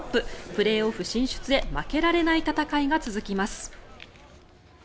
プレーオフ進出へ負けられない戦いが続きます。